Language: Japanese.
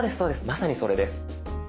まさにそれです。